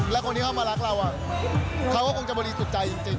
และคนที่เขามารักเราอ่ะเขาก็คงจะบริสุจัยจริง